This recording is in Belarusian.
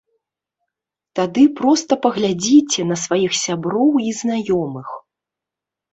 Тады проста паглядзіце на сваіх сяброў і знаёмых.